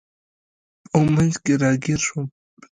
په منځ کې راګیر شوم.